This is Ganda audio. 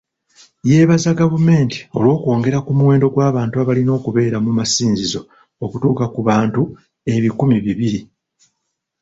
Yeebaza gavumenti olw'okwongera ku muwendo gw'abantu abalina okubeera mu masinzizo okutuuka ku bantu ebikumi bibiri.